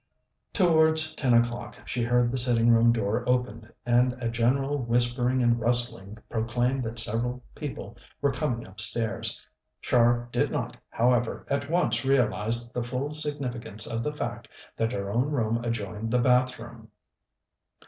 Towards ten o'clock she heard the sitting room door opened, and a general whispering and rustling proclaimed that several people were coming upstairs. Char did not, however, at once realize the full significance of the fact that her own room adjoined the bathroom.